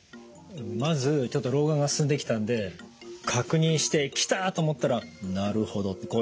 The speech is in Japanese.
まずちょっと老眼が進んできたんで確認してキターと思ったらなるほど！ってこういう感じですね。